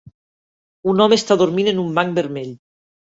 Un home està dormint en un banc vermell